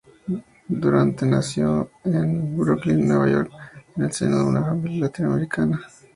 Durante nació en Brooklyn, Nueva York, en el seno de una familia italoamericana.